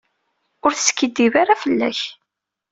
Ur teskiddib ara fell-ak.